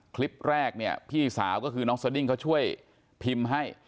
คลิปแรกเนี่ยพี่สาวก็คือน้องสดิ้งเขาช่วยพิมพ์ให้